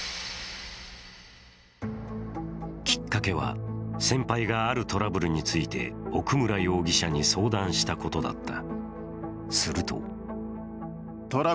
きっかけは、先輩があるトラブルについて奧村容疑者に相談したことだった。